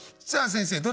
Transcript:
さあ先生